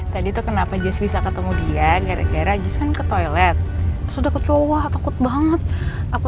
tadi tuh kenapa jazz bisa ketemu dia gara gara jus kan ke toilet sudah kecowah takut banget aku